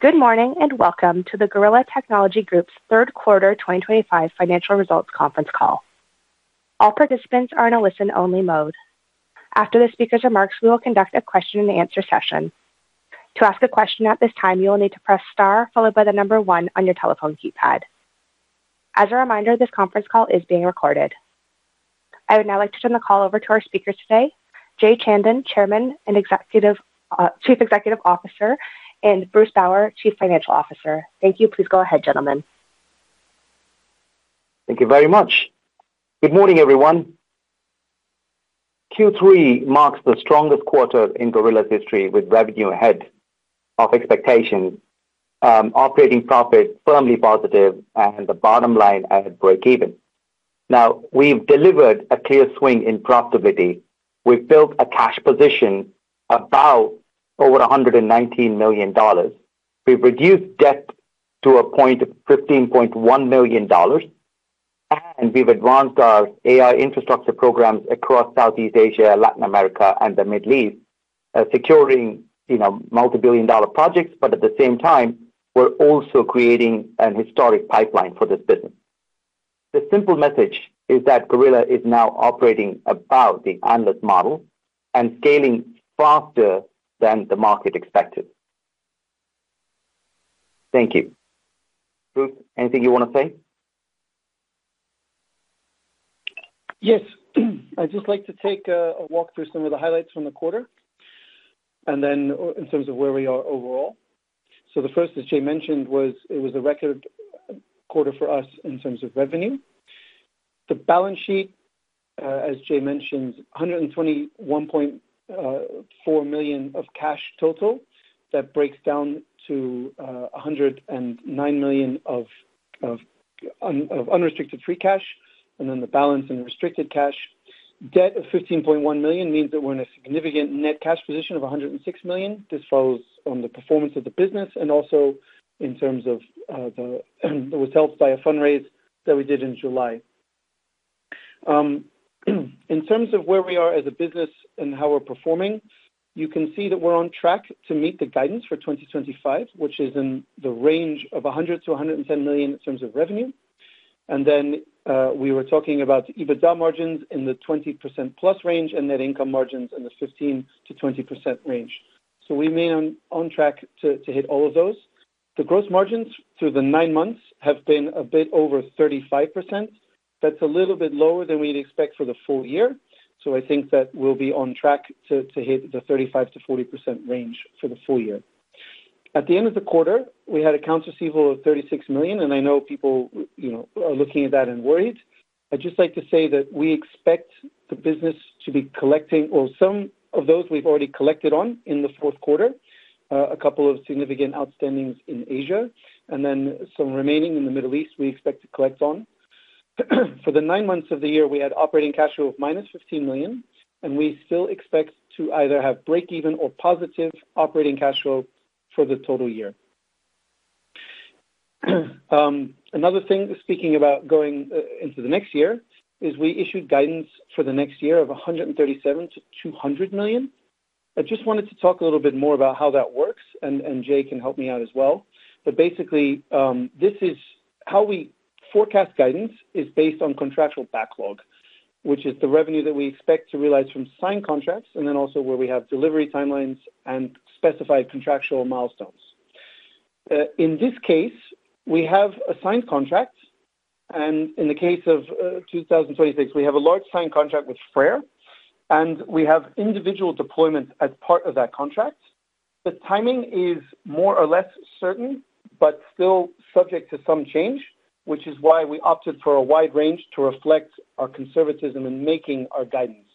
Good morning and welcome to the Gorilla Technology Group's Third Quarter 2025 Financial Results Conference Call. All participants are in a listen-only mode. After the speakers' remarks, we will conduct a question-and-answer session. To ask a question at this time, you will need to press star followed by the number one on your telephone keypad. As a reminder, this conference call is being recorded. I would now like to turn the call over to our speakers today, Jay Chandan, Chairman and Chief Executive Officer, and Bruce Bower, Chief Financial Officer. Thank you. Please go ahead, gentlemen. Thank you very much. Good morning, everyone. Q3 marks the strongest quarter in Gorilla's history, with revenue ahead of expectations, operating profit firmly positive, and the bottom line at breakeven. Now, we've delivered a clear swing in profitability. We've built a cash position of about over $119 million. We've reduced debt to a point of $15.1 million, and we've advanced our AI infrastructure programs across Southeast Asia, Latin America, and the Middle East, securing multi-billion dollar projects. At the same time, we're also creating a historic pipeline for this business. The simple message is that Gorilla is now operating about the analyst model and scaling faster than the market expected. Thank you. Bruce, anything you want to say? Yes. I'd just like to take a walk through some of the highlights from the quarter and then in terms of where we are overall. The first, as Jay mentioned, was it was a record quarter for us in terms of revenue. The balance sheet, as Jay mentioned, $121.4 million of cash total. That breaks down to $109 million of unrestricted free cash, and then the balance in restricted cash. Debt of $15.1 million means that we're in a significant net cash position of $106 million. This follows on the performance of the business and also in terms of the was helped by a fundraise that we did in July. In terms of where we are as a business and how we're performing, you can see that we're on track to meet the guidance for 2025, which is in the range of $100 million-$110 million in terms of revenue. We were talking about EBITDA margins in the 20% plus range and net income margins in the 15%-20% range. We remain on track to hit all of those. The gross margins through the nine months have been a bit over 35%. That's a little bit lower than we'd expect for the full year. I think that we'll be on track to hit the 35%-40% range for the full year. At the end of the quarter, we had accounts receivable of $36 million, and I know people are looking at that and worried. I'd just like to say that we expect the business to be collecting on some of those we've already collected on in the fourth quarter, a couple of significant outstandings in Asia, and then some remaining in the Middle East we expect to collect on. For the nine months of the year, we had operating cash flow of -$15 million, and we still expect to either have breakeven or positive operating cash flow for the total year. Another thing, speaking about going into the next year, is we issued guidance for the next year of $137 million-$200 million. I just wanted to talk a little bit more about how that works, and Jay can help me out as well. Basically, this is how we forecast guidance is based on contractual backlog, which is the revenue that we expect to realize from signed contracts, and then also where we have delivery timelines and specified contractual milestones. In this case, we have a signed contract, and in the case of 2026, we have a large signed contract with Freyr, and we have individual deployments as part of that contract. The timing is more or less certain, but still subject to some change, which is why we opted for a wide range to reflect our conservatism in making our guidance.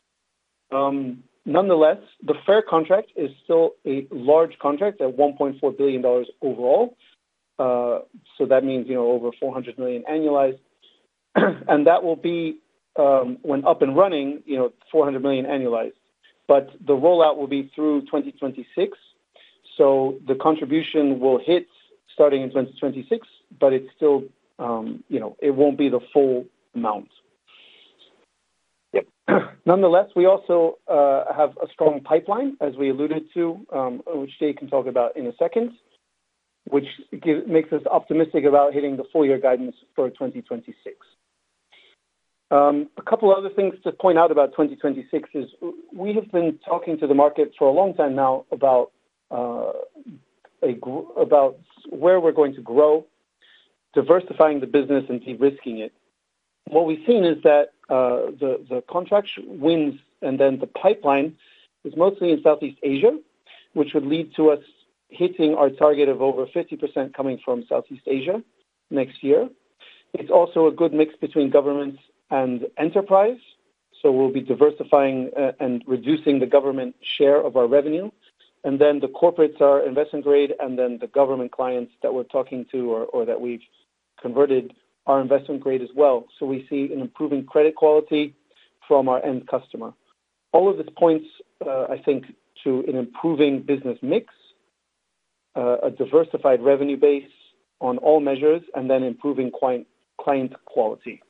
Nonetheless, the Freyr contract is still a large contract at $1.4 billion overall. That means over $400 million annualized. That will be when up and running, $400 million annualized. The rollout will be through 2026. The contribution will hit starting in 2026, but it still, it won't be the full amount. Nonetheless, we also have a strong pipeline, as we alluded to, which Jay can talk about in a second, which makes us optimistic about hitting the full year guidance for 2026. A couple of other things to point out about 2026 is we have been talking to the market for a long time now about where we're going to grow, diversifying the business and de-risking it. What we've seen is that the contracts wins and then the pipeline is mostly in Southeast Asia, which would lead to us hitting our target of over 50% coming from Southeast Asia next year. It's also a good mix between government and enterprise. We'll be diversifying and reducing the government share of our revenue. The corporates are investment grade, and the government clients that we're talking to or that we've converted are investment grade as well. We see an improving credit quality from our end customer. All of these points, I think, to an improving business mix, a diversified revenue base on all measures, and then improving client quality.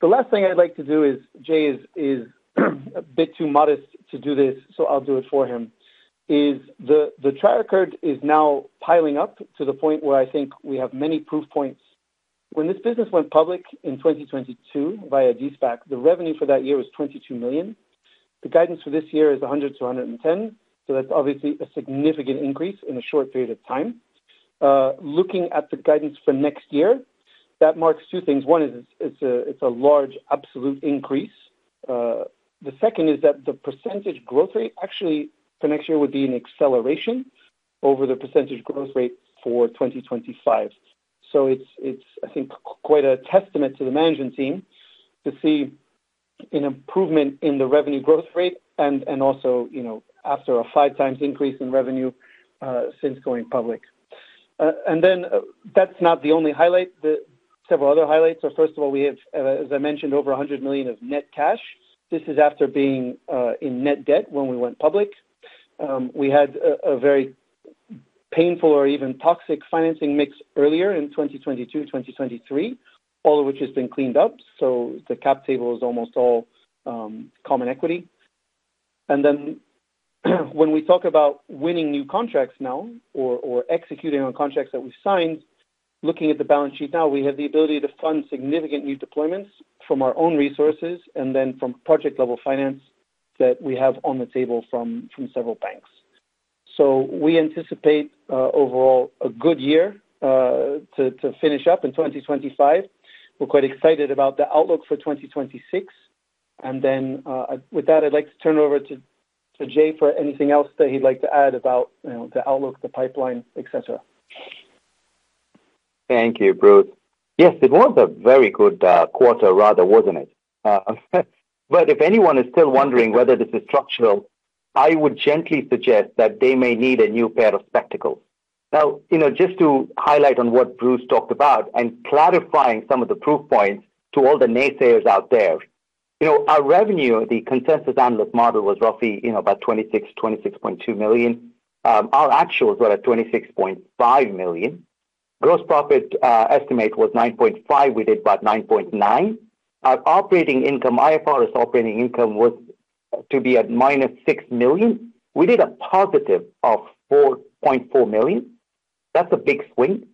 The last thing I'd like to do is, Jay is a bit too modest to do this, so I'll do it for him, is the track record is now piling up to the point where I think we have many proof points. When this business went public in 2022 via de-SPAC, the revenue for that year was $22 million. The guidance for this year is $100 million-$110 million. That's obviously a significant increase in a short period of time. Looking at the guidance for next year, that marks two things. One is it's a large absolute increase. The second is that the percentage growth rate actually for next year would be an acceleration over the percentage growth rate for 2025. It's, I think, quite a testament to the management team to see an improvement in the revenue growth rate and also after a five times increase in revenue since going public. That's not the only highlight. Several other highlights are, first of all, we have, as I mentioned, over $100 million of net cash. This is after being in net debt when we went public. We had a very painful or even toxic financing mix earlier in 2022, 2023, all of which has been cleaned up. The cap table is almost all common equity. When we talk about winning new contracts now or executing on contracts that we have signed, looking at the balance sheet now, we have the ability to fund significant new deployments from our own resources and from project-level finance that we have on the table from several banks. We anticipate overall a good year to finish up in 2025. We are quite excited about the outlook for 2026. With that, I would like to turn it over to Jay for anything else that he would like to add about the outlook, the pipeline, etc. Thank you, Bruce. Yes, it was a very good quarter, rather, wasn't it? If anyone is still wondering whether this is structural, I would gently suggest that they may need a new pair of spectacles. Now, just to highlight on what Bruce talked about and clarifying some of the proof points to all the naysayers out there, our revenue, the consensus analyst model was roughly about $26 million, $26.2 million. Our actuals were at $26.5 million. Gross profit estimate was $9.5 million. We did about $9.9 million. Our operating income, IFRS operating income was to be at minus $6 million. We did a positive of $4.4 million. That's a big swing.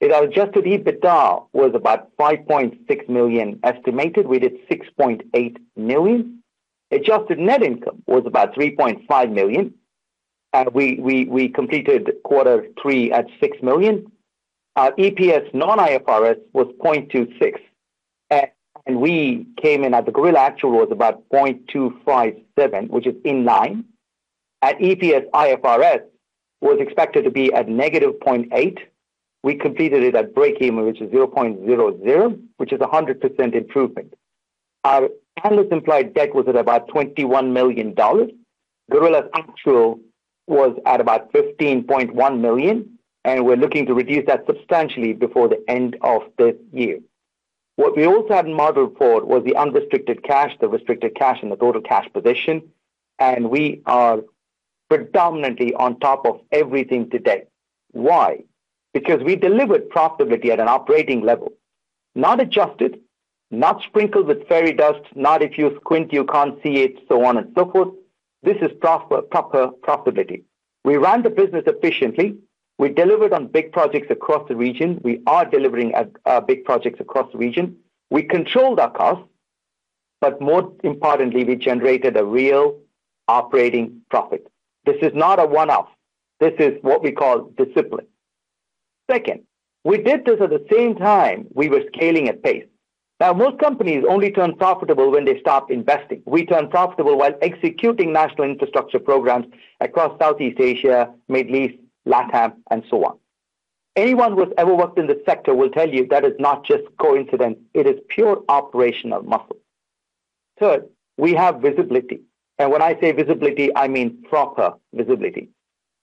Adjusted EBITDA was about $5.6 million estimated. We did $6.8 million. Adjusted net income was about $3.5 million. We completed quarter three at $6 million. Our EPS non-IFRS was $0.26. We came in at the Gorilla actual was about $0.257, which is in line. At EPS IFRS, it was expected to be at negative $0.8. We completed it at breakeven, which is $0.00, which is 100% improvement. Our analyst-implied debt was at about $21 million. Gorilla's actual was at about $15.1 million. We are looking to reduce that substantially before the end of this year. What we also had modeled for was the unrestricted cash, the restricted cash, and the total cash position. We are predominantly on top of everything today. Why? Because we delivered profitability at an operating level, not adjusted, not sprinkled with fairy dust, not if you squint, you cannot see it, so on and so forth. This is proper profitability. We ran the business efficiently. We delivered on big projects across the region. We are delivering big projects across the region. We controlled our costs. More importantly, we generated a real operating profit. This is not a one-off. This is what we call discipline. Second, we did this at the same time we were scaling at pace. Most companies only turn profitable when they stop investing. We turned profitable while executing national infrastructure programs across Southeast Asia, Middle East, LatAm, and so on. Anyone who has ever worked in this sector will tell you that is not just coincidence. It is pure operational muscle. Third, we have visibility. When I say visibility, I mean proper visibility.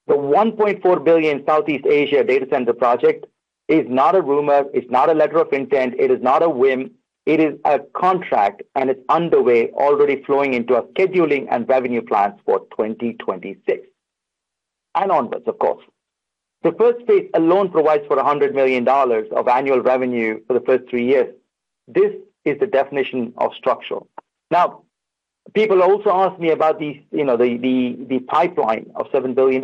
The $1.4 billion Southeast Asia data center project is not a rumor. It is not a letter of intent. It is not a whim. It is a contract, and it is underway, already flowing into our scheduling and revenue plans for 2026 and onwards, of course. The first phase alone provides for $100 million of annual revenue for the first three years. This is the definition of structural. Now, people also ask me about the pipeline of $7 billion.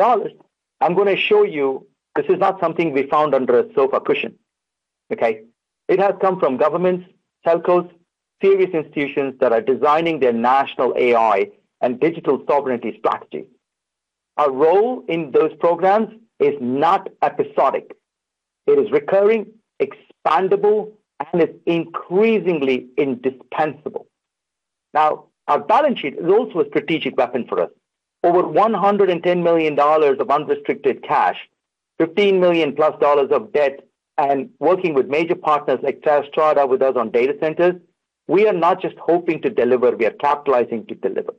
I'm going to show you this is not something we found under a sofa cushion. Okay? It has come from governments, telcos, serious institutions that are designing their national AI and digital sovereignty strategy. Our role in those programs is not episodic. It is recurring, expandable, and it's increasingly indispensable. Now, our balance sheet is also a strategic weapon for us. Over $110 million of unrestricted cash, $15 million plus of debt, and working with major partners like TerraStrata with us on data centers, we are not just hoping to deliver. We are capitalizing to deliver.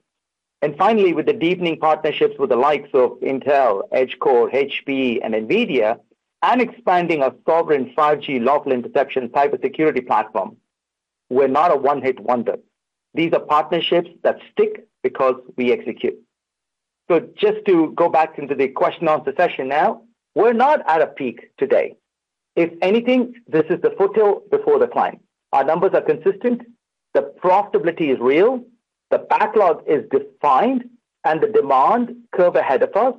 Finally, with the deepening partnerships with the likes of Intel, EdgeCore, HP, and NVIDIA, and expanding our sovereign 5G local interception cybersecurity platform, we're not a one-hit wonder. These are partnerships that stick because we execute. Just to go back into the question-answer session now, we're not at a peak today. If anything, this is the foothill before the climb. Our numbers are consistent. The profitability is real. The backlog is defined. The demand curve ahead of us,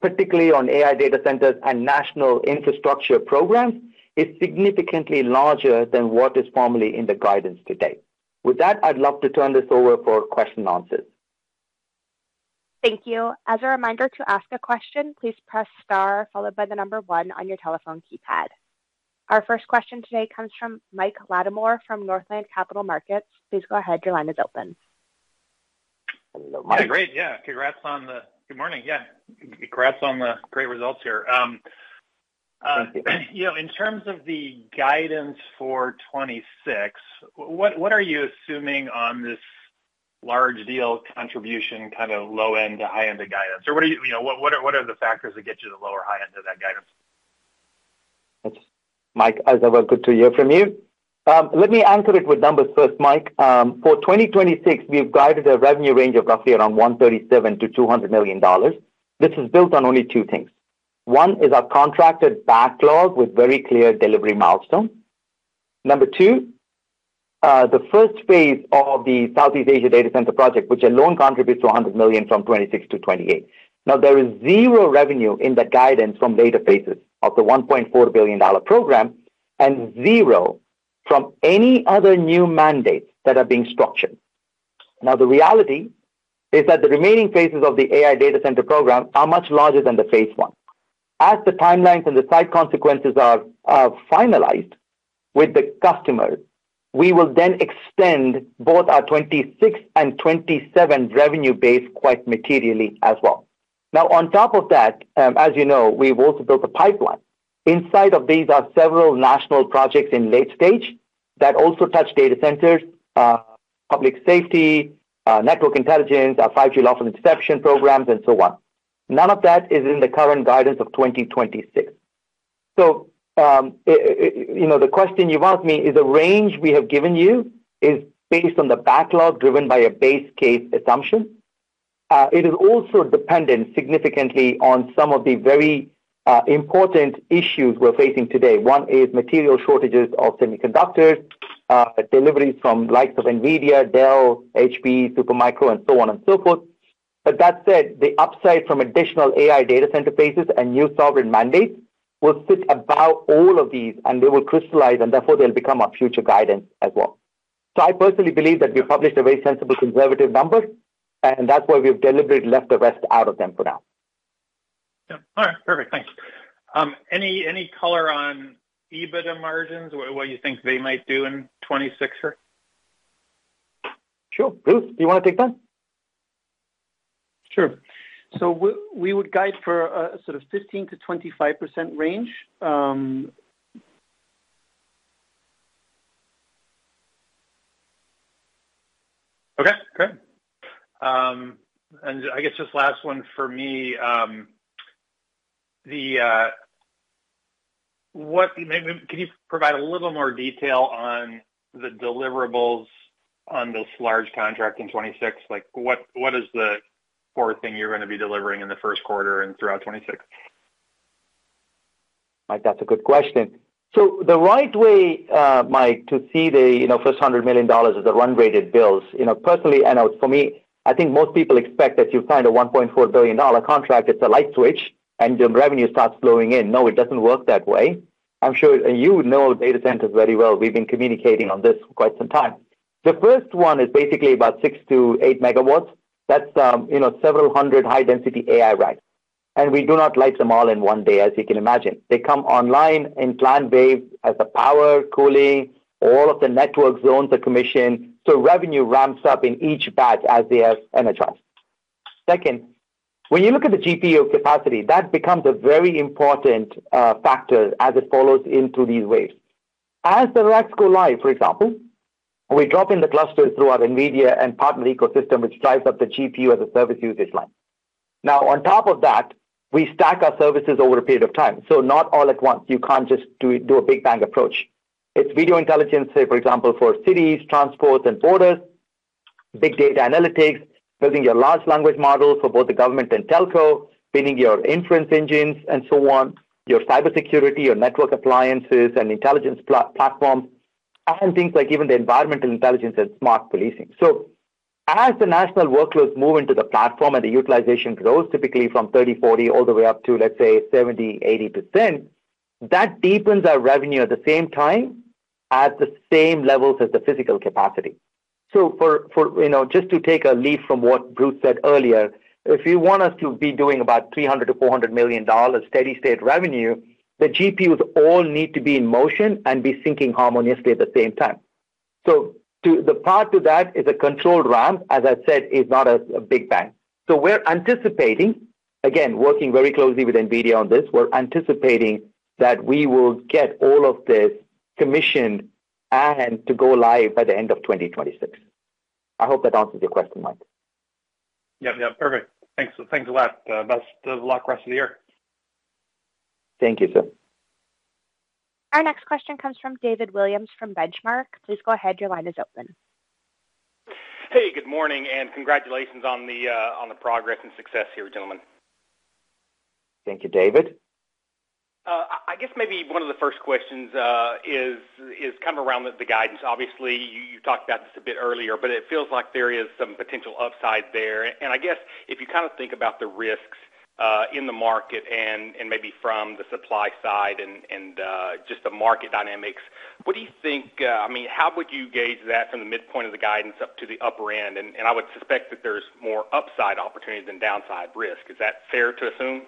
particularly on AI data centers and national infrastructure programs, is significantly larger than what is formally in the guidance today. With that, I'd love to turn this over for question and answers. Thank you. As a reminder to ask a question, please press star followed by the number one on your telephone keypad. Our first question today comes from Mike Lattimore from Northland Capital Markets. Please go ahead. Your line is open. Hello, Mike. Great. Yeah. Congrats on the good morning. Congrats on the great results here. Thank you. In terms of the guidance for 2026, what are you assuming on this large deal contribution, kind of low-end to high-end of guidance? Or what are the factors that get you to the lower high end of that guidance? That's. Mike, as I was good to hear from you. Let me anchor it with numbers first, Mike. For 2026, we've guided a revenue range of roughly around $137 million-$200 million. This is built on only two things. One is our contracted backlog with very clear delivery milestones. Number two, the first phase of the Southeast Asia data center project, which alone contributes to $100 million from 2026 to 2028. Now, there is zero revenue in the guidance from later phases of the $1.4 billion program and zero from any other new mandates that are being structured. Now, the reality is that the remaining phases of the AI data center program are much larger than the phase one. As the timelines and the side consequences are finalized with the customers, we will then extend both our 2026 and 2027 revenue base quite materially as well. Now, on top of that, as you know, we've also built a pipeline. Inside of these are several national projects in late stage that also touch data centers, public safety, network intelligence, our 5G lawful interception programs, and so on. None of that is in the current guidance of 2026. The question you've asked me is a range we have given you is based on the backlog driven by a base case assumption. It is also dependent significantly on some of the very important issues we're facing today. One is material shortages of semiconductors, deliveries from the likes of NVIDIA, Dell, HP, Supermicro, and so on and so forth. That said, the upside from additional AI data center bases and new sovereign mandates will sit above all of these, and they will crystallize, and therefore they'll become our future guidance as well. I personally believe that we published a very sensible conservative number, and that's why we've deliberately left the rest out of them for now. Yeah. All right. Perfect. Thanks. Any color on EBITDA margins, what you think they might do in 2026 here? Sure. Bruce, do you want to take that? Sure. So we would guide for a sort of 15%-25% range. Okay. Great. I guess just last one for me. Can you provide a little more detail on the deliverables on this large contract in 2026? What is the fourth thing you're going to be delivering in the first quarter and throughout 2026? Mike, that's a good question. The right way, Mike, to see the first $100 million as the run-rated bills, personally, I know for me, I think most people expect that you find a $1.4 billion contract, it's a light switch, and the revenue starts flowing in. No, it doesn't work that way. I'm sure you know data centers very well. We've been communicating on this for quite some time. The first one is basically about 6 MW-8 MW. That's several hundred high-density AI racks. We do not light them all in one day, as you can imagine. They come online in planned waves as the power, cooling, all of the network zones are commissioned. Revenue ramps up in each batch as they are energized. Second, when you look at the GPU capacity, that becomes a very important factor as it follows into these waves. As the racks go live, for example, we drop in the clusters through our NVIDIA and partner ecosystem, which drives up the GPU as a service usage line. Now, on top of that, we stack our services over a period of time. Not all at once. You cannot just do a big bang approach. It is video intelligence, say, for example, for cities, transport, and borders, big data analytics, building your large language models for both the government and telco, building your inference engines, and so on, your cybersecurity, your network appliances, and intelligence platforms, and things like even the environmental intelligence and smart policing. As the national workloads move into the platform and the utilization grows, typically from 30%, 40% all the way up to, let's say, 70%, 80%, that deepens our revenue at the same time at the same levels as the physical capacity. Just to take a leaf from what Bruce said earlier, if you want us to be doing about $300 million-$400 million steady-state revenue, the GPUs all need to be in motion and be syncing harmoniously at the same time. The path to that is a controlled ramp, as I said, it is not a big bang. We are anticipating, again, working very closely with NVIDIA on this, we are anticipating that we will get all of this commissioned and to go live by the end of 2026. I hope that answers your question, Mike. Yep. Perfect. Thanks a lot. Best of luck rest of the year. Thank you, sir. Our next question comes from David Williams from Benchmark. Please go ahead. Your line is open. Hey, good morning. Congratulations on the progress and success here, gentlemen. Thank you, David. I guess maybe one of the first questions is kind of around the guidance. Obviously, you talked about this a bit earlier, but it feels like there is some potential upside there. I guess if you kind of think about the risks in the market and maybe from the supply side and just the market dynamics, what do you think? I mean, how would you gauge that from the midpoint of the guidance up to the upper end? I would suspect that there's more upside opportunity than downside risk. Is that fair to assume?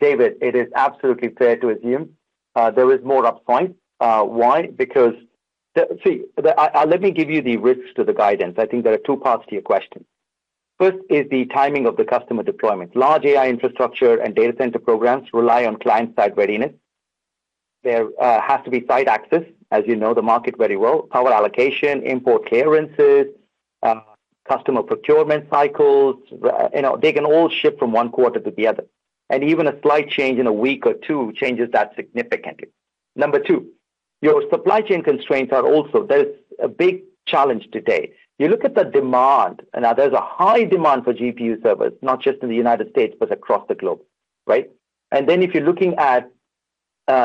David, it is absolutely fair to assume. There is more upside. Why? Because see, let me give you the risks to the guidance. I think there are two parts to your question. First is the timing of the customer deployment. Large AI infrastructure and data center programs rely on client-side readiness. There has to be site access, as you know the market very well, power allocation, import clearances, customer procurement cycles. They can all shift from one quarter to the other. Even a slight change in a week or two changes that significantly. Number two, your supply chain constraints are also a big challenge today. You look at the demand, and there is a high demand for GPU servers, not just in the United States, but across the globe, right? If you are looking at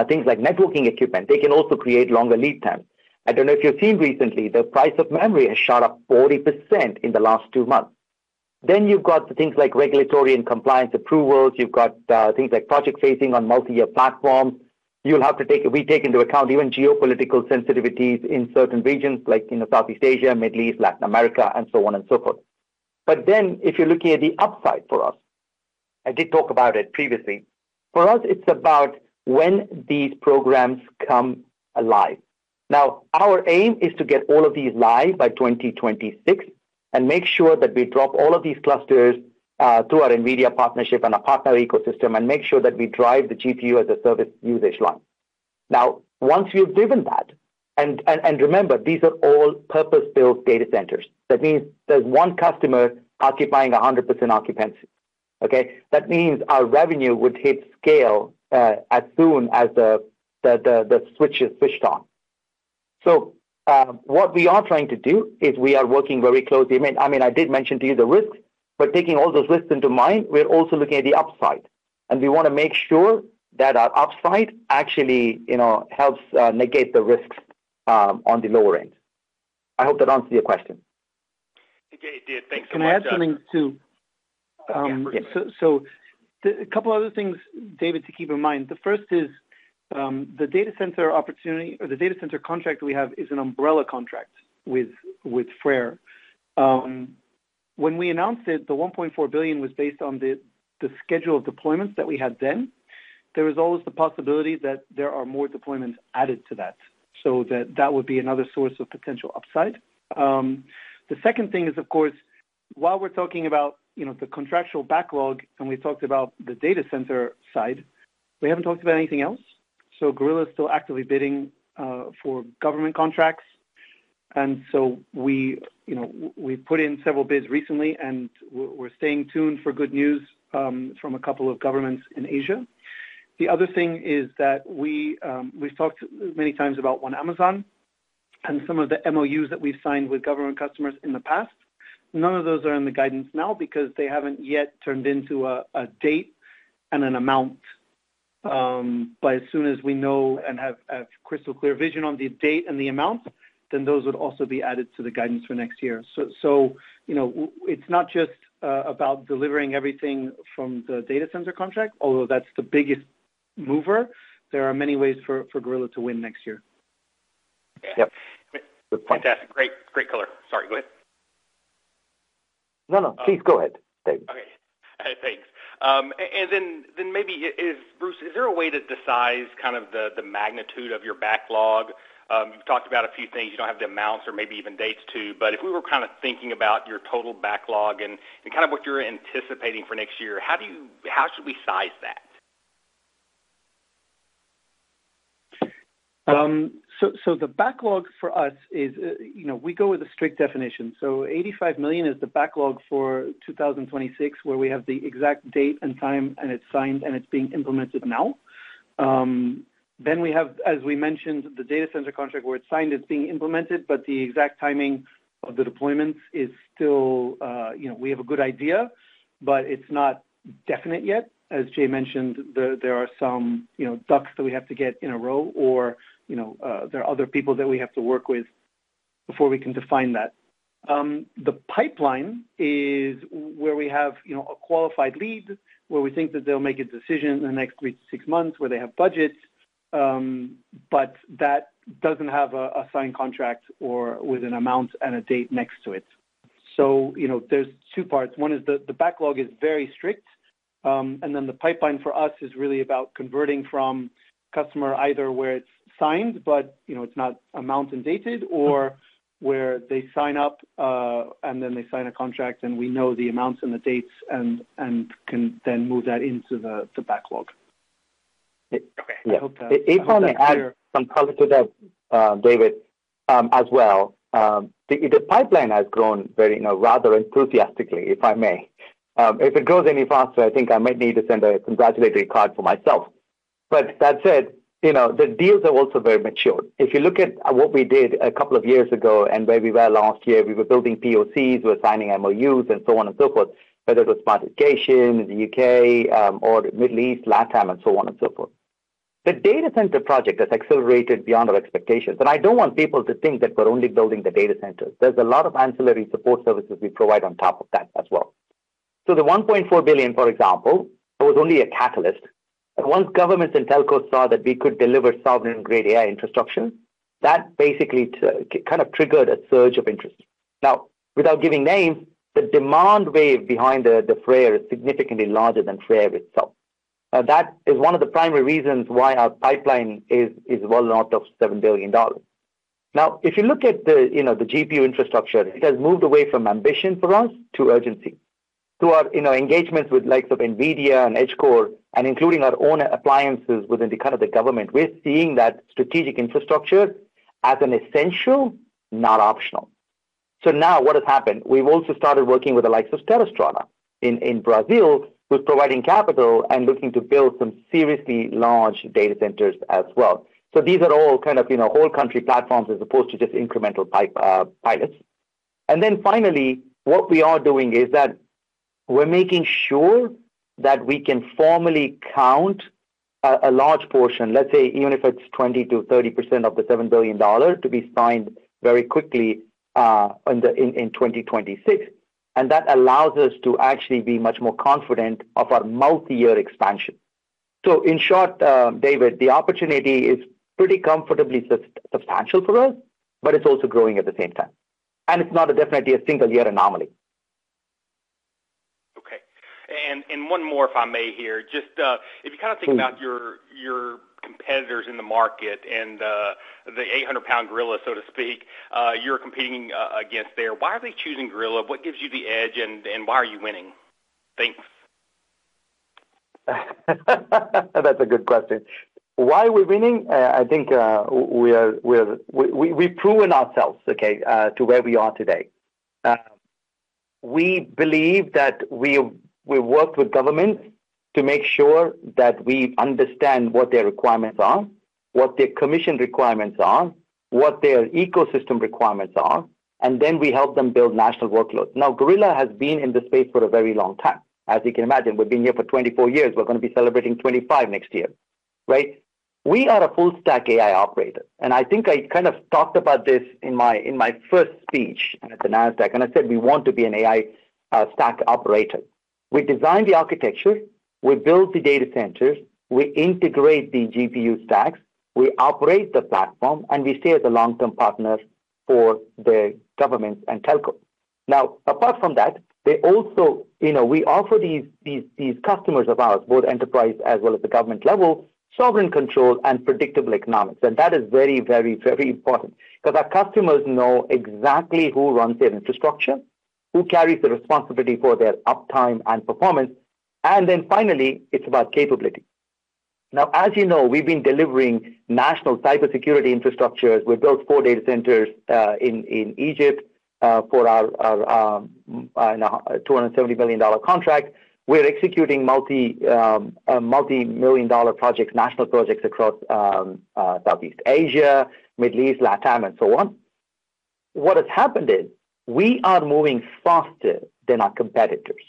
things like networking equipment, they can also create longer lead times. I don't know if you've seen recently, the price of memory has shot up 40% in the last two months. Then you've got things like regulatory and compliance approvals. You've got things like project phasing on multi-year platforms. You'll have to take into account even geopolitical sensitivities in certain regions like Southeast Asia, Middle East, Latin America, and so on and so forth. If you're looking at the upside for us, I did talk about it previously. For us, it's about when these programs come live. Our aim is to get all of these live by 2026 and make sure that we drop all of these clusters through our NVIDIA partnership and our partner ecosystem and make sure that we drive the GPU as a service usage line. Once we have driven that, and remember, these are all purpose-built data centers. That means there is one customer occupying 100% occupancy. Okay? That means our revenue would hit scale as soon as the switch is switched on. What we are trying to do is we are working very closely. I mean, I did mention to you the risks, but taking all those risks into mind, we are also looking at the upside. We want to make sure that our upside actually helps negate the risks on the lower end. I hope that answers your question. Okay. It did. Thanks so much. Can I add something too? Yeah. A couple of other things, David, to keep in mind. The first is the data center opportunity or the data center contract we have is an umbrella contract with Freyr. When we announced it, the $1.4 billion was based on the schedule of deployments that we had then. There is always the possibility that there are more deployments added to that. That would be another source of potential upside. The second thing is, of course, while we're talking about the contractual backlog and we talked about the data center side, we haven't talked about anything else. Gorilla is still actively bidding for government contracts. We've put in several bids recently, and we're staying tuned for good news from a couple of governments in Asia. The other thing is that we've talked many times about One Amazon and some of the MOUs that we've signed with government customers in the past. None of those are in the guidance now because they haven't yet turned into a date and an amount. As soon as we know and have crystal clear vision on the date and the amount, then those would also be added to the guidance for next year. It is not just about delivering everything from the data center contract, although that's the biggest mover. There are many ways for Gorilla to win next year. Yep. Fantastic. Great color. Sorry. Go ahead. No, no. Please go ahead, David. Okay. Thanks. Maybe, Bruce, is there a way to decide kind of the magnitude of your backlog? You've talked about a few things. You don't have the amounts or maybe even dates too. If we were kind of thinking about your total backlog and kind of what you're anticipating for next year, how should we size that? The backlog for us is we go with a strict definition. $85 million is the backlog for 2026 where we have the exact date and time, and it's signed, and it's being implemented now. We have, as we mentioned, the data center contract where it's signed, it's being implemented, but the exact timing of the deployments is still we have a good idea, but it's not definite yet. As Jay mentioned, there are some ducks that we have to get in a row, or there are other people that we have to work with before we can define that. The pipeline is where we have a qualified lead where we think that they'll make a decision in the next three to six months where they have budgets, but that doesn't have a signed contract or with an amount and a date next to it. There are two parts. One is the backlog is very strict. The pipeline for us is really about converting from customer either where it is signed, but it is not amount and dated, or where they sign up and then they sign a contract, and we know the amounts and the dates and can then move that into the backlog. Okay. I hope that answers your question. Yeah. Question. I'm sorry to interrupt David as well. The pipeline has grown rather enthusiastically, if I may. If it grows any faster, I think I might need to send a congratulatory card for myself. That said, the deals are also very mature. If you look at what we did a couple of years ago and where we were last year, we were building POCs, we were signing MOUs, and so on and so forth, whether it was smart education in the U.K. or the Middle East last time and so on and so forth. The data center project has accelerated beyond our expectations. I do not want people to think that we're only building the data centers. There is a lot of ancillary support services we provide on top of that as well. The $1.4 billion, for example, was only a catalyst. Once governments and telcos saw that we could deliver sovereign-grade AI infrastructure, that basically kind of triggered a surge of interest. Now, without giving names, the demand wave behind the Freyr is significantly larger than Freyr itself. That is one of the primary reasons why our pipeline is well north of $7 billion. If you look at the GPU infrastructure, it has moved away from ambition for us to urgency. Through our engagements with the likes of NVIDIA and EdgeCore, and including our own appliances within kind of the government, we're seeing that strategic infrastructure as an essential, not optional. What has happened is we've also started working with the likes of TerraStrata in Brazil who's providing capital and looking to build some seriously large data centers as well. These are all kind of whole country platforms as opposed to just incremental pilots. Then finally, what we are doing is that we're making sure that we can formally count a large portion, let's say, even if it's 20%-30% of the $7 billion, to be signed very quickly in 2026. That allows us to actually be much more confident of our multi-year expansion. In short, David, the opportunity is pretty comfortably substantial for us, but it's also growing at the same time. It's not definitely a single-year anomaly. Okay. One more, if I may here. Just if you kind of think about your competitors in the market and the 800-pound gorilla, so to speak, you're competing against there. Why are they choosing Gorilla? What gives you the edge, and why are you winning? Thanks. That's a good question. Why are we winning? I think we've proven ourselves, okay, to where we are today. We believe that we work with governments to make sure that we understand what their requirements are, what their commission requirements are, what their ecosystem requirements are, and then we help them build national workloads. Now, Gorilla has been in the space for a very long time. As you can imagine, we've been here for 24 years. We're going to be celebrating 25 next year, right? We are a full-stack AI operator. I think I kind of talked about this in my first speech at the NASDAQ, and I said we want to be an AI stack operator. We design the architecture, we build the data centers, we integrate the GPU stacks, we operate the platform, and we stay as a long-term partner for the governments and telcos. Now, apart from that, we offer these customers of ours, both enterprise as well as the government level, sovereign control and predictable economics. That is very, very, very important because our customers know exactly who runs their infrastructure, who carries the responsibility for their uptime and performance. Finally, it is about capability. Now, as you know, we have been delivering national cybersecurity infrastructures. We have built four data centers in Egypt for our $270 million contract. We are executing multimillion-dollar projects, national projects across Southeast Asia, Middle East, LatAm, and so on. What has happened is we are moving faster than our competitors.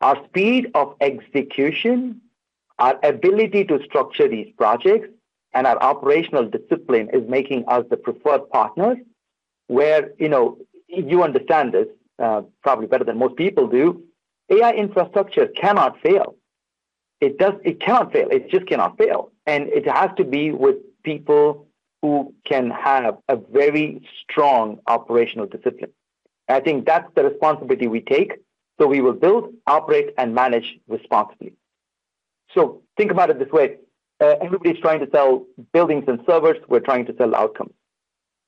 Our speed of execution, our ability to structure these projects, and our operational discipline is making us the preferred partners where you understand this probably better than most people do. AI infrastructure cannot fail. It cannot fail. It just cannot fail. It has to be with people who can have a very strong operational discipline. I think that's the responsibility we take. We will build, operate, and manage responsibly. Think about it this way. Everybody's trying to sell buildings and servers. We're trying to sell outcomes.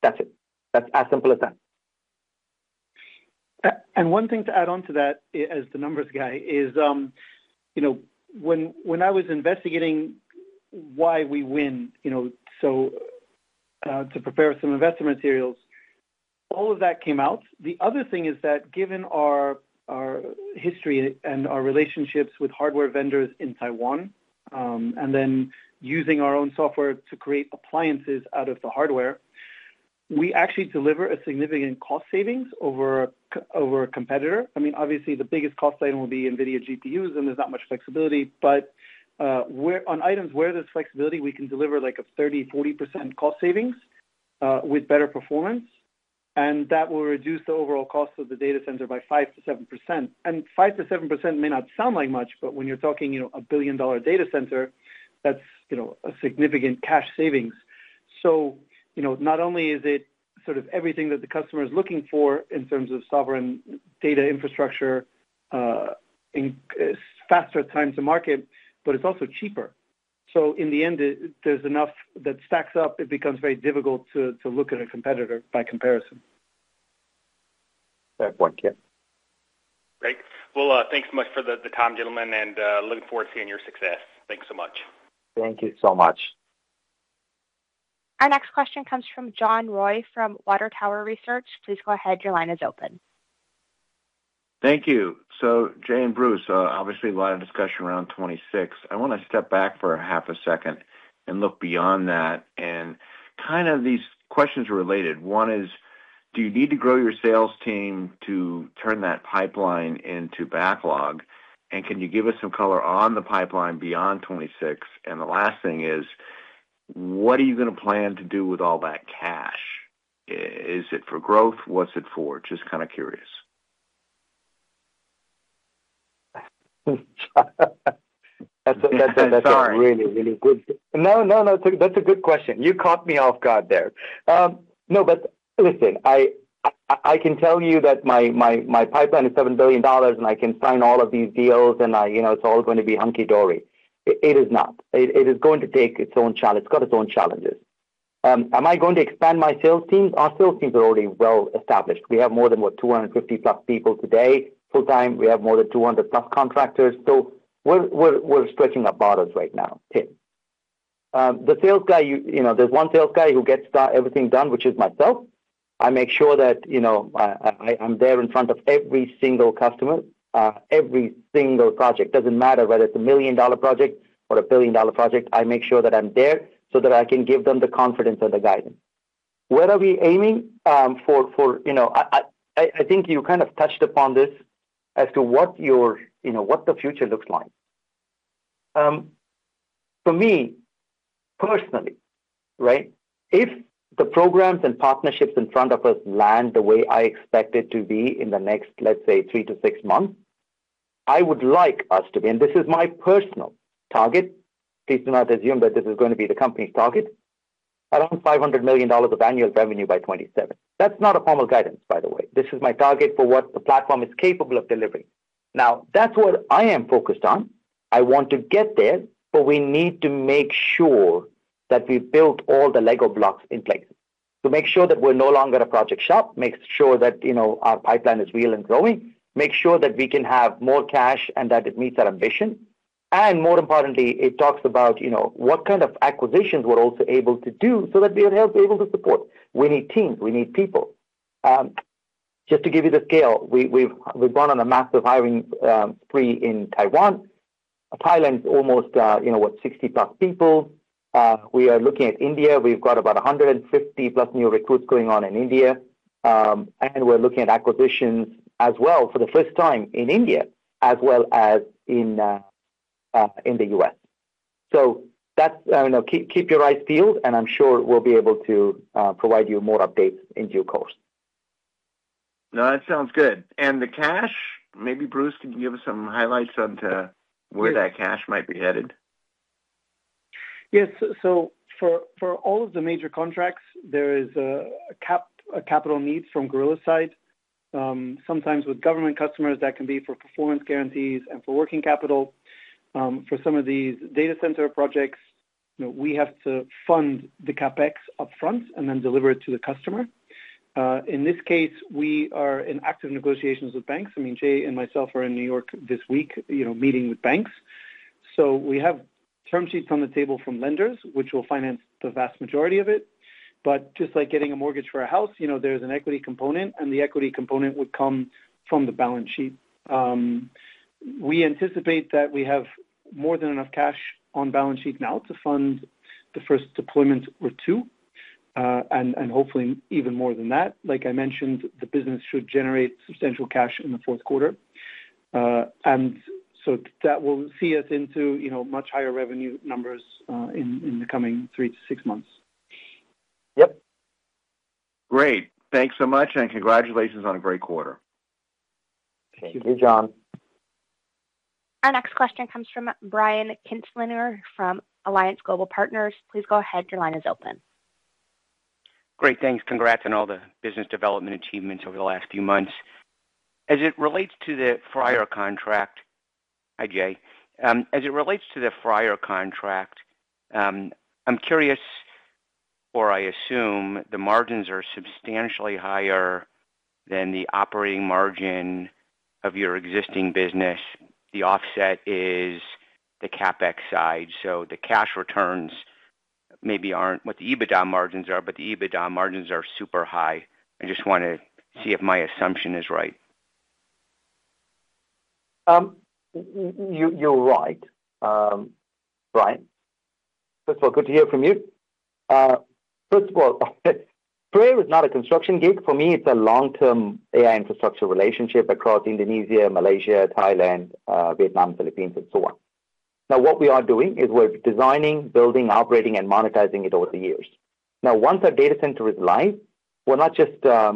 That's it. That's as simple as that. One thing to add on to that as the numbers guy is when I was investigating why we win, to prepare some investment materials, all of that came out. The other thing is that given our history and our relationships with hardware vendors in Taiwan, and then using our own software to create appliances out of the hardware, we actually deliver a significant cost savings over a competitor. I mean, obviously, the biggest cost item will be NVIDIA GPUs, and there's not much flexibility. On items where there's flexibility, we can deliver like a 30%, 540% cost savings with better performance. That will reduce the overall cost of the data center by 5%-7%. 5%-7% may not sound like much, but when you're talking a billion-dollar data center, that's a significant cash savings. Not only is it sort of everything that the customer is looking for in terms of sovereign data infrastructure and faster time to market, but it's also cheaper. In the end, there's enough that stacks up. It becomes very difficult to look at a competitor by comparison. Fair point. Great. Thank you so much for the time, gentlemen, and looking forward to seeing your success. Thank you so much. Thank you so much. Our next question comes from John Roy from Water Tower Research. Please go ahead. Your line is open. Thank you. Jay and Bruce, obviously, a lot of discussion around 2026. I want to step back for half a second and look beyond that. These questions are related. One is, do you need to grow your sales team to turn that pipeline into backlog? Can you give us some color on the pipeline beyond 2026? The last thing is, what are you going to plan to do with all that cash? Is it for growth? What is it for? Just kind of curious. That's a really, really good. No, no, no. That's a good question. You caught me off guard there. No, but listen, I can tell you that my pipeline is $7 billion, and I can sign all of these deals, and it's all going to be hunky-dory. It is not. It is going to take its own challenge. It's got its own challenges. Am I going to expand my sales team? Our sales teams are already well established. We have more than, what, 250-plus people today, full-time. We have more than 200-plus contractors. So we're stretching our bars right now. The sales guy, there's one sales guy who gets everything done, which is myself. I make sure that I'm there in front of every single customer, every single project. Doesn't matter whether it's a million-dollar project or a billion-dollar project. I make sure that I'm there so that I can give them the confidence and the guidance. Where are we aiming for? I think you kind of touched upon this as to what the future looks like. For me, personally, right, if the programs and partnerships in front of us land the way I expect it to be in the next, let's say, three to six months, I would like us to be—and this is my personal target, please do not assume that this is going to be the company's target—around $500 million of annual revenue by 2027. That's not a formal guidance, by the way. This is my target for what the platform is capable of delivering. Now, that's what I am focused on. I want to get there, but we need to make sure that we've built all the Lego blocks in place to make sure that we're no longer a project shop, make sure that our pipeline is real and growing, make sure that we can have more cash and that it meets our ambition. More importantly, it talks about what kind of acquisitions we're also able to do so that we are able to support. We need teams. We need people. Just to give you the scale, we've gone on a massive hiring spree in Taiwan. Thailand's almost, what, 60-plus people. We are looking at India. We've got about 150-plus new recruits going on in India. We are looking at acquisitions as well for the first time in India as well as in the U.S. Keep your eyes peeled, and I'm sure we'll be able to provide you more updates into your course. No, that sounds good. The cash, maybe Bruce can give us some highlights onto where that cash might be headed. Yes. For all of the major contracts, there is a capital need from Gorilla side. Sometimes with government customers, that can be for performance guarantees and for working capital. For some of these data center projects, we have to fund the CapEx upfront and then deliver it to the customer. In this case, we are in active negotiations with banks. I mean, Jay and myself are in New York this week meeting with banks. We have term sheets on the table from lenders, which will finance the vast majority of it. Just like getting a mortgage for a house, there is an equity component, and the equity component would come from the balance sheet. We anticipate that we have more than enough cash on balance sheet now to fund the first deployment or two, and hopefully even more than that. Like I mentioned, the business should generate substantial cash in the fourth quarter. That will see us into much higher revenue numbers in the coming three to six months. Yep. Great. Thanks so much, and congratulations on a great quarter. Thank you. Thank you, John. Our next question comes from Brian Kinstlinger from Alliance Global Partners. Please go ahead. Your line is open. Great. Thanks. Congrats on all the business development achievements over the last few months. As it relates to the Freyr contract, hi, Jay. As it relates to the Freyr contract, I'm curious, or I assume the margins are substantially higher than the operating margin of your existing business. The offset is the CapEx side. So the cash returns maybe aren't what the EBITDA margins are, but the EBITDA margins are super high. I just want to see if my assumption is right. You're right, Brian. First of all, good to hear from you. First of all, Freyr is not a construction gig. For me, it's a long-term AI infrastructure relationship across Indonesia, Malaysia, Thailand, Vietnam, Philippines, and so on. Now, what we are doing is we're designing, building, operating, and monetizing it over the years. Now, once our data center is live, we're not just there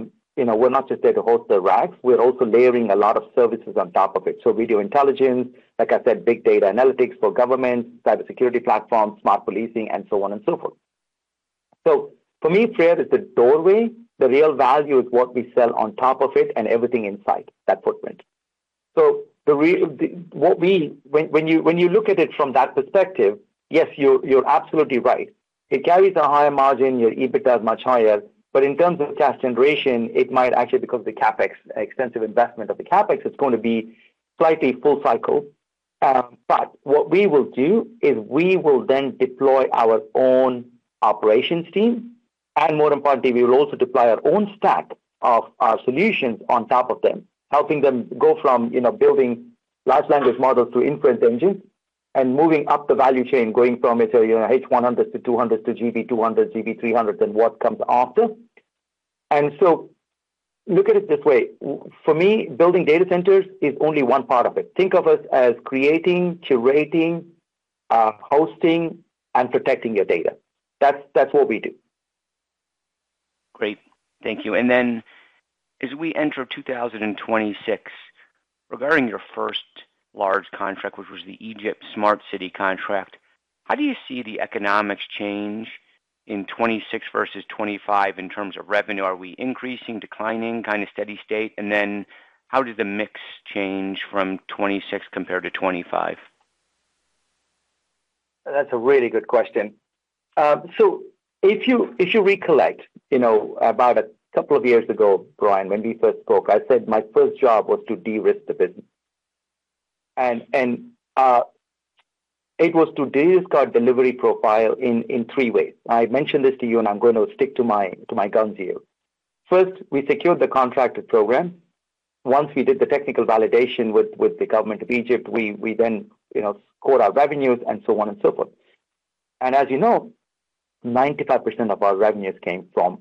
to host the racks. We're also layering a lot of services on top of it. Video intelligence, like I said, big data analytics for government, cybersecurity platforms, smart policing, and so on and so forth. For me, Freyr is the doorway. The real value is what we sell on top of it and everything inside that footprint. When you look at it from that perspective, yes, you're absolutely right. It carries a higher margin. Your EBITDA is much higher. In terms of cash generation, it might actually, because of the CapEx, extensive investment of the CapEx, it's going to be slightly full cycle. What we will do is we will then deploy our own operations team. More importantly, we will also deploy our own stack of our solutions on top of them, helping them go from building large language models to inference engines and moving up the value chain, going from H100 to H200 to GB200, GB300, and what comes after. Look at it this way. For me, building data centers is only one part of it. Think of us as creating, curating, hosting, and protecting your data. That's what we do. Great. Thank you. As we enter 2026, regarding your first large contract, which was the Egypt Smart City contract, how do you see the economics change in 2026 versus 2025 in terms of revenue? Are we increasing, declining, kind of steady state? How does the mix change from 2026 compared to 2025? That's a really good question. If you recollect about a couple of years ago, Brian, when we first spoke, I said my first job was to de-risk the business. It was to de-risk our delivery profile in three ways. I mentioned this to you, and I'm going to stick to my guns here. First, we secured the contracted program. Once we did the technical validation with the government of Egypt, we then scored our revenues and so on and so forth. As you know, 95% of our revenues came from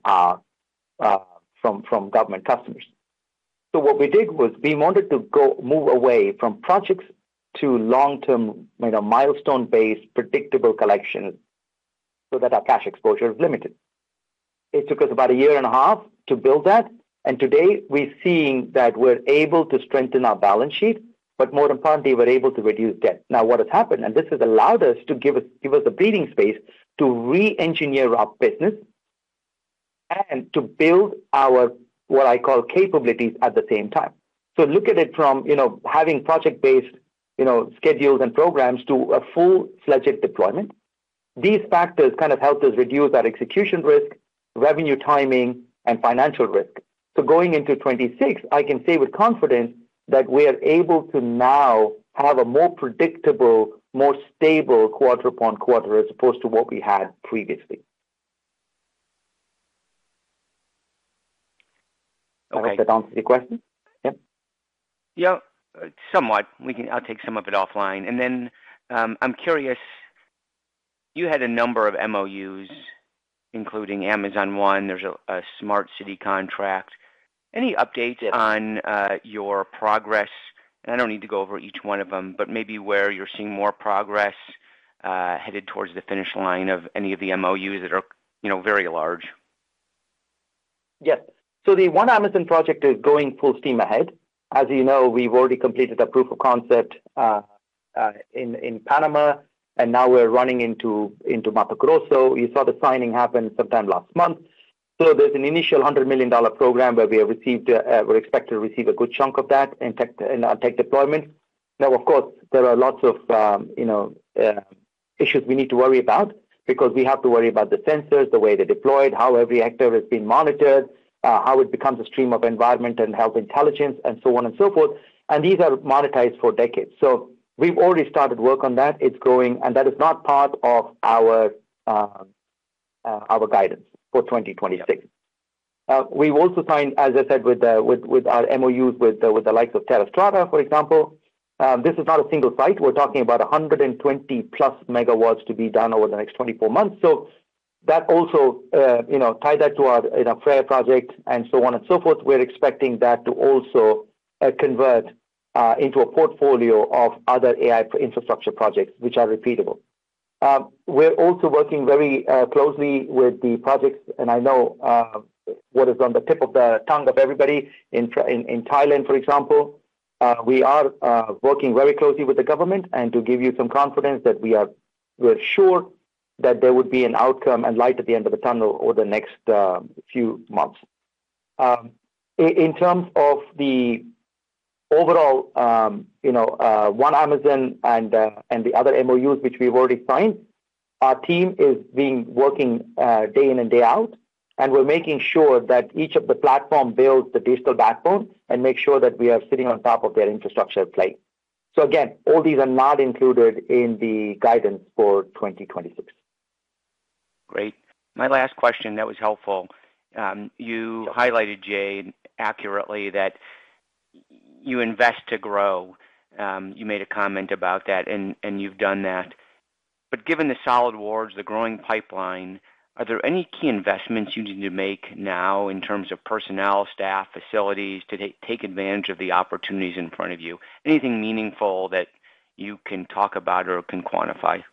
government customers. What we did was we wanted to move away from projects to long-term milestone-based predictable collections so that our cash exposure is limited. It took us about a year and a half to build that. Today, we're seeing that we're able to strengthen our balance sheet, but more importantly, we're able to reduce debt. Now, what has happened, and this has allowed us to give us a breathing space to re-engineer our business and to build our, what I call, capabilities at the same time. Look at it from having project-based schedules and programs to a full-fledged deployment. These factors kind of helped us reduce our execution risk, revenue timing, and financial risk. Going into 2026, I can say with confidence that we are able to now have a more predictable, more stable quarter upon quarter as opposed to what we had previously. I hope that answers your question. Yep. Yeah, somewhat. I'll take some of it offline. I'm curious, you had a number of MOUs, including Amazon one. There's a Smart City contract. Any updates on your progress? I don't need to go over each one of them, but maybe where you're seeing more progress headed towards the finish line of any of the MOUs that are very large. Yes. The One Amazon project is going full steam ahead. As you know, we've already completed a proof of concept in Panama, and now we're running into Marco Grosso. You saw the signing happen sometime last month. There is an initial $100 million program where we are expected to receive a good chunk of that in tech deployment. Now, of course, there are lots of issues we need to worry about because we have to worry about the sensors, the way they're deployed, how every actor has been monitored, how it becomes a stream of environment and health intelligence, and so on and so forth. These are monetized for decades. We've already started work on that. It's growing, and that is not part of our guidance for 2026. We've also signed, as I said, with our MOUs with the likes of TerraStrata, for example. This is not a single site. We're talking about 120-plus megawatts to be done over the next 24 months. Tie that to our Freyr project and so on and so forth. We're expecting that to also convert into a portfolio of other AI infrastructure projects, which are repeatable. We're also working very closely with the projects, and I know what is on the tip of the tongue of everybody. In Thailand, for example, we are working very closely with the government. To give you some confidence that we are sure that there would be an outcome and light at the end of the tunnel over the next few months. In terms of the overall One Amazon and the other MOUs, which we've already signed, our team is working day in and day out, and we're making sure that each of the platform builds the digital backbone and makes sure that we are sitting on top of their infrastructure plate. Again, all these are not included in the guidance for 2026. Great. My last question, that was helpful. You highlighted, Jay, accurately that you invest to grow. You made a comment about that, and you've done that. Given the solid awards, the growing pipeline, are there any key investments you need to make now in terms of personnel, staff, facilities to take advantage of the opportunities in front of you? Anything meaningful that you can talk about or can quantify?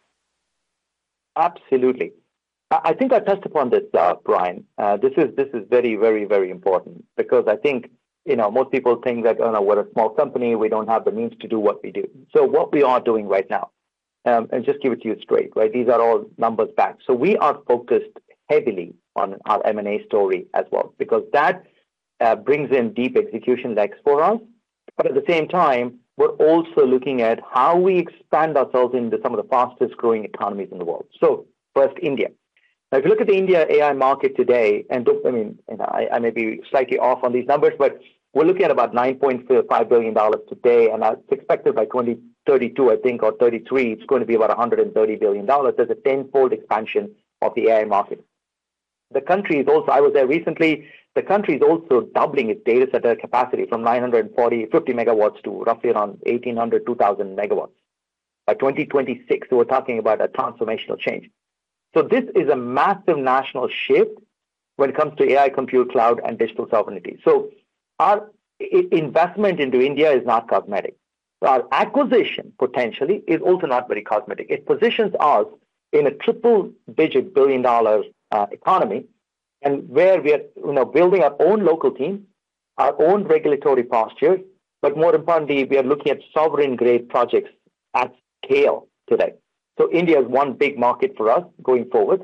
Absolutely. I think I touched upon this, Brian. This is very, very, very important because I think most people think that, "Oh, no, we're a small company. We don't have the means to do what we do." What we are doing right now, and just give it to you straight, right? These are all numbers back. We are focused heavily on our M&A story as well because that brings in deep execution legs for us. At the same time, we're also looking at how we expand ourselves into some of the fastest-growing economies in the world. First, India. Now, if you look at the India AI market today, and I may be slightly off on these numbers, but we're looking at about $9.5 billion today. It is expected by 2032, I think, or 2033, it is going to be about $130 billion. There's a tenfold expansion of the AI market. The country is also—I was there recently. The country is also doubling its data center capacity from 940 MW-950 MW to roughly around 1,800 MW-2,000 MW by 2026. We are talking about a transformational change. This is a massive national shift when it comes to AI, compute, cloud, and digital sovereignty. Our investment into India is not cosmetic. Our acquisition, potentially, is also not very cosmetic. It positions us in a triple-digit billion-dollar economy and where we are building our own local team, our own regulatory posture. More importantly, we are looking at sovereign-grade projects at scale today. India is one big market for us going forward.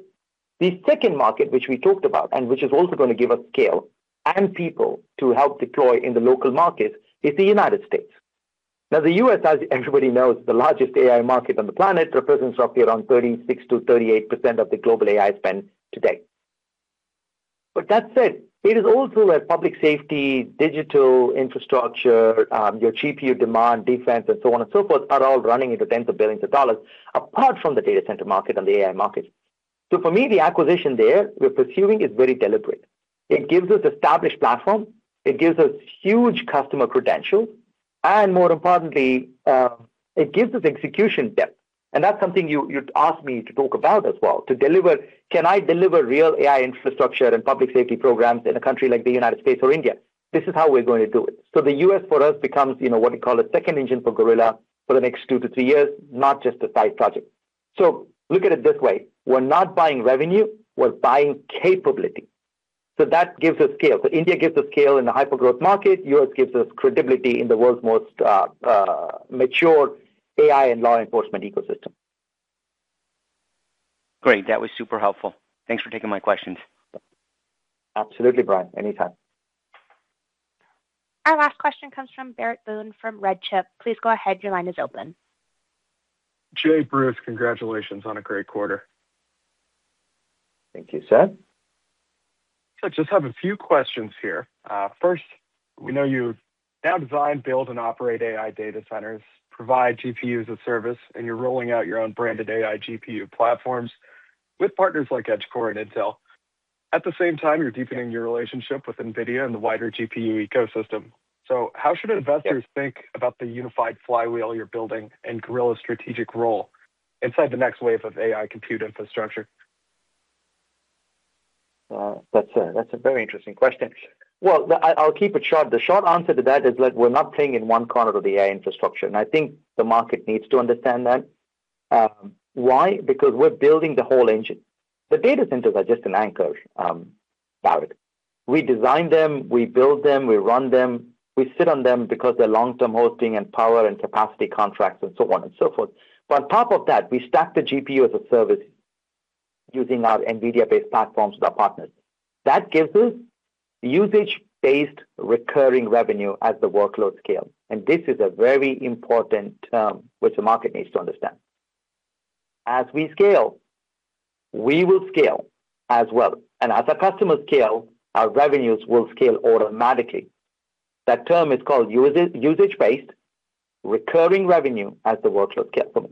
The second market, which we talked about and which is also going to give us scale and people to help deploy in the local market, is the United States. Now, the U.S., as everybody knows, is the largest AI market on the planet, represents roughly around 36%-38% of the global AI spend today. That said, it is also where public safety, digital infrastructure, your GPU demand, defense, and so on and so forth are all running into tens of billions of dollars apart from the data center market and the AI market. For me, the acquisition there we're pursuing is very deliberate. It gives us established platform. It gives us huge customer credentials. More importantly, it gives us execution depth. That's something you'd ask me to talk about as well, to deliver—can I deliver real AI infrastructure and public safety programs in a country like the United States or India? This is how we're going to do it. The U.S., for us, becomes what we call a second engine for Gorilla for the next two to three years, not just a side project. Look at it this way. We're not buying revenue. We're buying capability. That gives us scale. India gives us scale in a hyper-growth market. U.S. gives us credibility in the world's most mature AI and law enforcement ecosystem. Great. That was super helpful. Thanks for taking my questions. Absolutely, Brian. Anytime. Our last question comes from Barrett Boone from RedChip. Please go ahead. Your line is open. Jay, Bruce, congratulations on a great quarter. Thank you, sir. I just have a few questions here. First, we know you now design, build, and operate AI data centers, provide GPUs as a service, and you're rolling out your own branded AI GPU platforms with partners like EdgeCore and Intel. At the same time, you're deepening your relationship with NVIDIA and the wider GPU ecosystem. How should investors think about the unified flywheel you're building and Gorilla's strategic role inside the next wave of AI compute infrastructure? That's a very interesting question. I'll keep it short. The short answer to that is that we're not playing in one corner of the AI infrastructure. I think the market needs to understand that. Why? Because we're building the whole engine. The data centers are just an anchor about it. We design them. We build them. We run them. We sit on them because they're long-term hosting and power and capacity contracts and so on and so forth. On top of that, we stack the GPU as a service using our NVIDIA-based platforms with our partners. That gives us usage-based recurring revenue as the workload scale. This is a very important term which the market needs to understand. As we scale, we will scale as well. As our customers scale, our revenues will scale automatically. That term is called usage-based recurring revenue as the workload scale.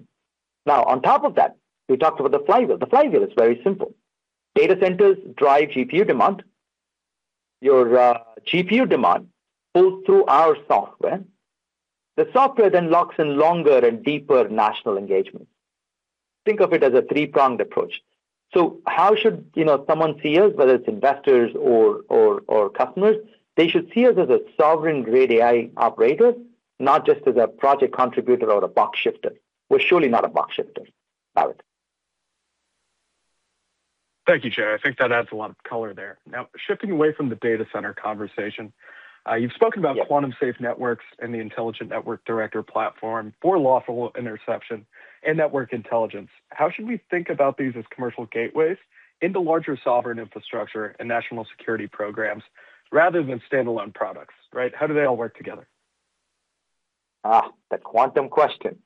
Now, on top of that, we talked about the flywheel. The flywheel is very simple. Data centers drive GPU demand. Your GPU demand pulls through our software. The software then locks in longer and deeper national engagements. Think of it as a three-pronged approach. How should someone see us, whether it's investors or customers? They should see us as a sovereign-grade AI operator, not just as a project contributor or a box shifter. We're surely not a box shifter about it. Thank you, Jay. I think that adds a lot of color there. Now, shifting away from the data center conversation, you've spoken about Quantum Safe Networks and the Intelligent Network Director platform for lawful interception and network intelligence. How should we think about these as commercial gateways into larger sovereign infrastructure and national security programs rather than standalone products, right? How do they all work together? The quantum question.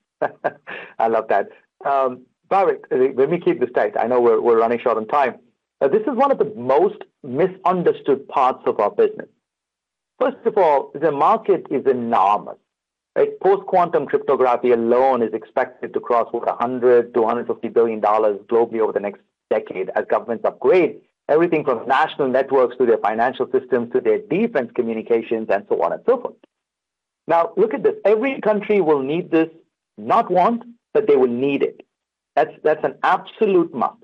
I love that. Barrett, let me keep this tight. I know we're running short on time. This is one of the most misunderstood parts of our business. First of all, the market is enormous. Post-quantum cryptography alone is expected to cross $100 billion-$150 billion globally over the next decade as governments upgrade everything from national networks to their financial systems to their defense communications and so on and so forth. Now, look at this. Every country will need this, not want, but they will need it. That's an absolute must.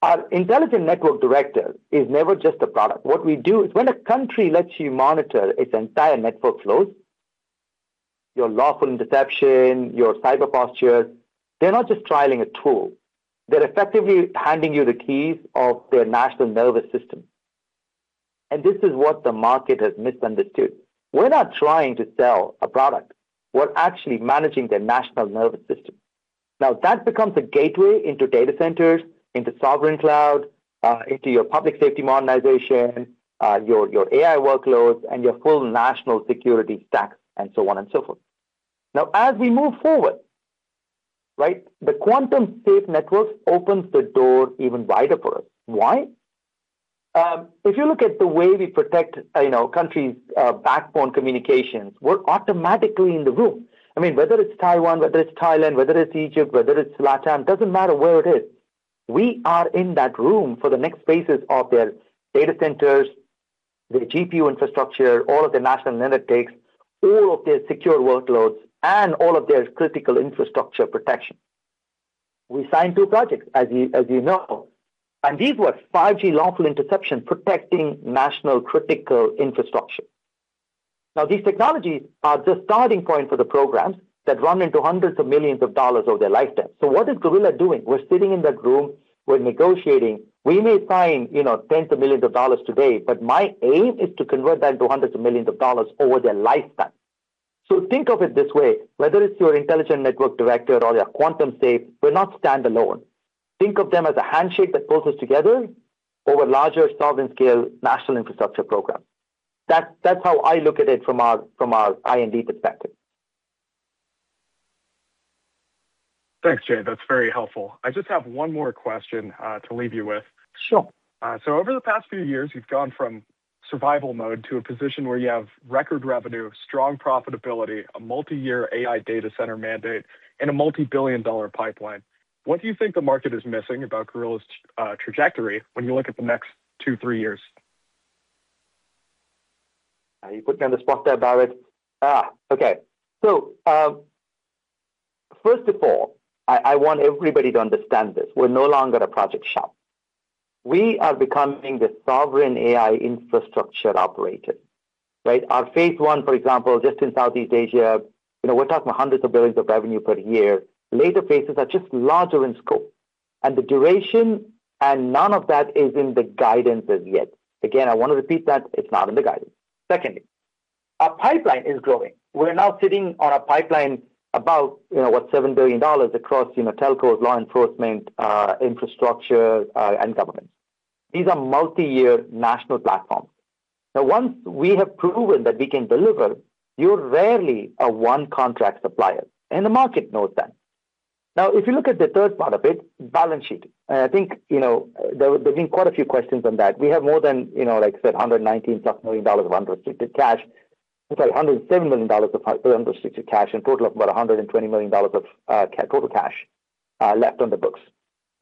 Our Intelligent Network Director is never just a product. What we do is when a country lets you monitor its entire network flows, your lawful interception, your cyber postures, they're not just trialing a tool. They're effectively handing you the keys of their national nervous system. This is what the market has misunderstood. We're not trying to sell a product. We're actually managing their national nervous system. Now, that becomes a gateway into data centers, into sovereign cloud, into your public safety modernization, your AI workloads, and your full national security stacks, and so on and so forth. Now, as we move forward, right, the Quantum Safe Networks opens the door even wider for us. Why? If you look at the way we protect countries' backbone communications, we're automatically in the room. I mean, whether it's Taiwan, whether it's Thailand, whether it's Egypt, whether it's LatiAm, doesn't matter where it is. We are in that room for the next phases of their data centers, their GPU infrastructure, all of their national analytics, all of their secure workloads, and all of their critical infrastructure protection. We signed two projects, as you know. These were 5G lawful interception protecting national critical infrastructure. Now, these technologies are the starting point for the programs that run into hundreds of millions of dollars over their lifetime. What is Gorilla doing? We're sitting in that room. We're negotiating. We may sign tens of millions of dollars today, but my aim is to convert that into hundreds of millions of dollars over their lifetime. Think of it this way. Whether it's your Intelligent Network Director or your Quantum Safe, we're not standalone. Think of them as a handshake that pulls us together over larger sovereign-scale national infrastructure programs. That's how I look at it from our IND perspective. Thanks, Jay. That's very helpful. I just have one more question to leave you with. Sure. Over the past few years, you've gone from survival mode to a position where you have record revenue, strong profitability, a multi-year AI data center mandate, and a multi-billion dollar pipeline. What do you think the market is missing about Gorilla's trajectory when you look at the next two, three years? Are you putting me on the spot there, Barrett? Okay. First of all, I want everybody to understand this. We're no longer a project shop. We are becoming the sovereign AI infrastructure operator, right? Our phase one, for example, just in Southeast Asia, we're talking hundreds of billions of revenue per year. Later phases are just larger in scope. And the duration, and none of that is in the guidance as yet. Again, I want to repeat that. It's not in the guidance. Secondly, our pipeline is growing. We're now sitting on a pipeline about, what, $7 billion across telcos, law enforcement, infrastructure, and governments. These are multi-year national platforms. Now, once we have proven that we can deliver, you're rarely a one-contract supplier. The market knows that. Now, if you look at the third part of it, balance sheet. I think there have been quite a few questions on that. We have more than, like I said, $119 million plus of unrestricted cash. I'm sorry, $107 million of unrestricted cash and a total of about $120 million of total cash left on the books.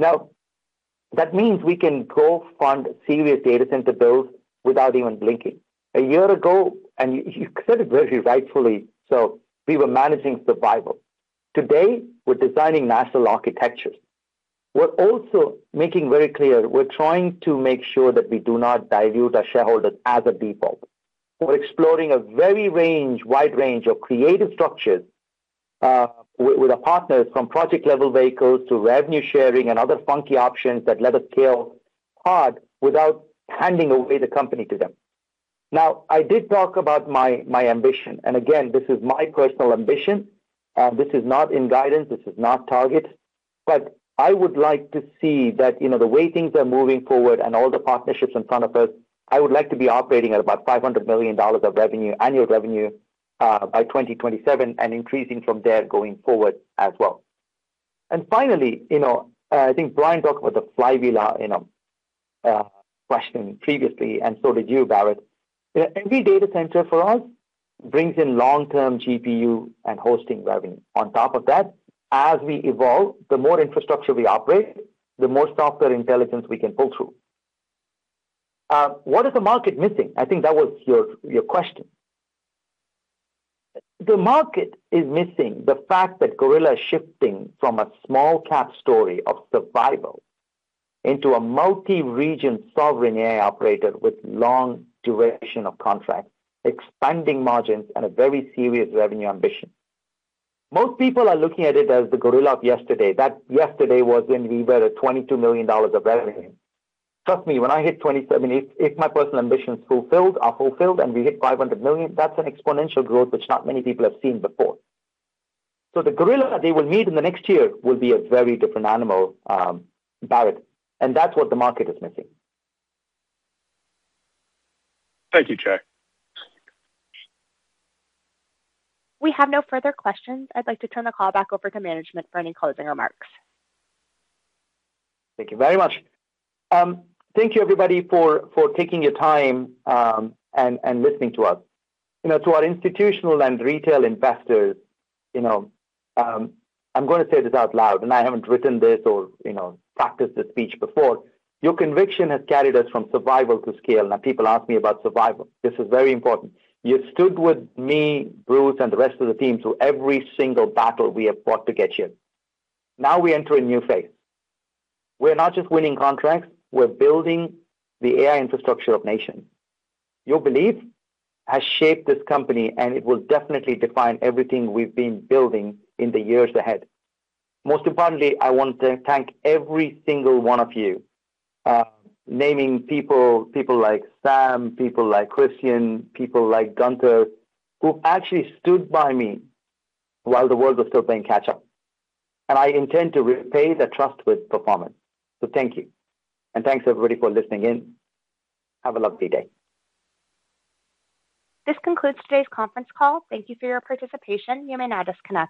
That means we can go fund serious data center builds without even blinking. A year ago, and you said it very rightfully, we were managing survival. Today, we're designing national architectures. We're also making very clear we're trying to make sure that we do not dilute our shareholders as a default. We're exploring a very wide range of creative structures with our partners from project-level vehicles to revenue sharing and other funky options that let us scale hard without handing away the company to them. I did talk about my ambition. Again, this is my personal ambition. This is not in guidance. This is not target. I would like to see that the way things are moving forward and all the partnerships in front of us, I would like to be operating at about $500 million of annual revenue by 2027 and increasing from there going forward as well. Finally, I think Brian talked about the flywheel question previously, and so did you, Barrett. Every data center for us brings in long-term GPU and hosting revenue. On top of that, as we evolve, the more infrastructure we operate, the more software intelligence we can pull through. What is the market missing? I think that was your question. The market is missing the fact that Gorilla is shifting from a small-cap story of survival into a multi-region sovereign AI operator with long duration of contracts, expanding margins, and a very serious revenue ambition. Most people are looking at it as the Gorilla of yesterday. That yesterday was when we were at $22 million of revenue. Trust me, when I hit 20, I mean, if my personal ambition is fulfilled, I'm fulfilled, and we hit $500 million, that's an exponential growth which not many people have seen before. The Gorilla they will meet in the next year will be a very different animal, Barrett. That is what the market is missing. Thank you, Jay. We have no further questions. I'd like to turn the call back over to management for any closing remarks. Thank you very much. Thank you, everybody, for taking your time and listening to us. To our institutional and retail investors, I'm going to say this out loud, and I haven't written this or practiced the speech before. Your conviction has carried us from survival to scale. Now, people ask me about survival. This is very important. You stood with me, Bruce, and the rest of the team through every single battle we have fought to get here. Now we enter a new phase. We're not just winning contracts. We're building the AI infrastructure of nations. Your belief has shaped this company, and it will definitely define everything we've been building in the years ahead. Most importantly, I want to thank every single one of you, naming people like Sam, people like Christian, people like Gunther, who actually stood by me while the world was still playing catch-up. I intend to repay the trust with performance. Thank you. Thanks, everybody, for listening in. Have a lovely day. This concludes today's conference call. Thank you for your participation. You may now disconnect.